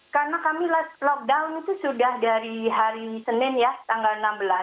karena kami lockdown itu sudah dari hari senin ya tanggal enam belas